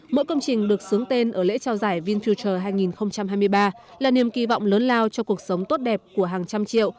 mỗi công trình được sướng tên ở lễ trao giải vintucher hai nghìn hai mươi ba là niềm kỳ vọng lớn lao cho cuộc sống tốt đẹp của hàng trăm triệu